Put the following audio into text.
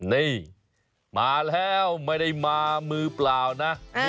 นี่มาแล้วไม่ได้มามือเปล่านะ